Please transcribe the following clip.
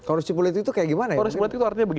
korupsi politik itu kayak gimana ya